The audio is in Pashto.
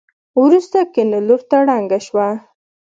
وروسته کيڼ لورته ړنګه شوه.